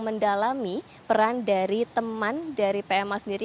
mendalami peran dari teman dari pma sendiri